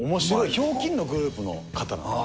ひょうきんのグループの方なんで。